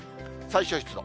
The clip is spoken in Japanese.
最小湿度。